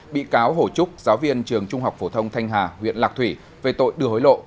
bị cáo hồ trúc giáo viên trường trung học phổ thông thanh hà huyện lạc thủy về tội đưa hối lộ